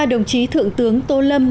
đồng chí thượng tướng tô lâm